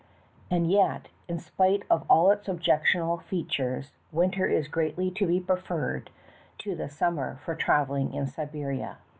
And yet, in spite of all its objectionable features, winter is greatly to be preferred to the summer for traveling in Siberia.